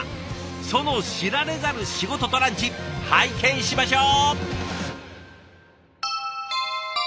その知られざる仕事とランチ拝見しましょう！